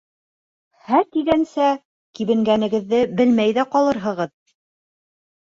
«һә» тигәнсә кибенгәнегеҙҙе белмәй ҙә ҡалырһығыҙ!